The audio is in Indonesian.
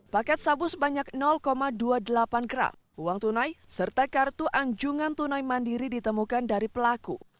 paket sabu sebanyak dua puluh delapan gram uang tunai serta kartu anjungan tunai mandiri ditemukan dari pelaku